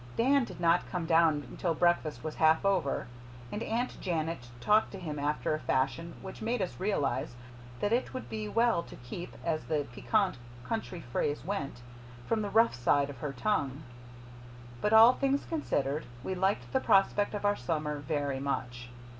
Dan did not come down until breakfast was half over, and Aunt Janet talked to him after a fashion which made us realize that it would be well to keep, as the piquant country phrase went, from the rough side of her tongue. But all things considered, we liked the prospect of our summer very much.